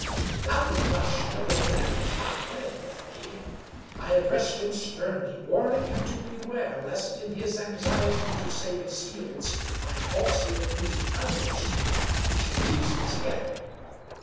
Doubting much whether the man was not playing with me, I addressed him sternly, warning him to beware, lest in his anxiety to save his heels by falsely accusing others, he should lose his head.